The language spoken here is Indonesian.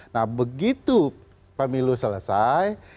nah begitu pemilu selesai